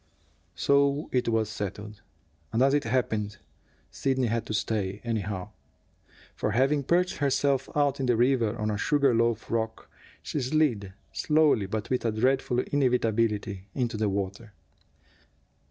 So it was settled. And, as it happened, Sidney had to stay, anyhow. For, having perched herself out in the river on a sugar loaf rock, she slid, slowly but with a dreadful inevitability, into the water.